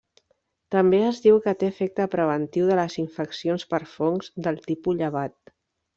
També es diu que té efecte preventiu de les infeccions per fongs del tipus llevat.